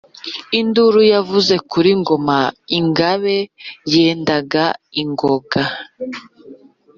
Induru yavuze kuli Ngoma ingabe nyendana ingoga.